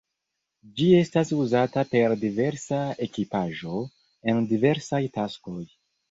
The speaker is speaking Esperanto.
Ĝi estas uzata per diversa ekipaĵo, en diversaj taskoj.